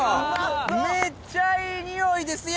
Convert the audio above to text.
めっちゃいいにおいですやん！